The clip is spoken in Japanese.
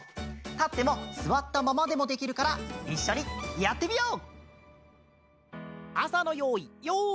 たってもすわったままでもできるからいっしょにやってみよう！